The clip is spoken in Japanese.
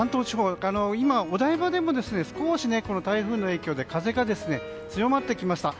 今、お台場でも少し台風の影響で風が強まってきました。